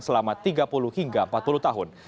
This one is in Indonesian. selama tiga puluh hingga empat puluh tahun